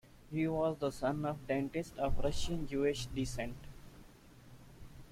He was the son of a dentist of Russian-Jewish descent.